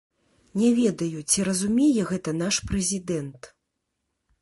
Не ведаю, ці разумее гэта наш прэзідэнт.